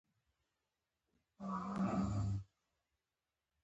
دړه او بنه د کولتور برخې دي